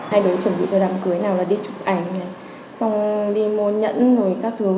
hai đứa chuẩn bị cho đám cưới nào là đi chụp ảnh xong đi mua nhẫn rồi các thứ